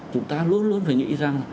chúng ta luôn luôn phải nghĩ rằng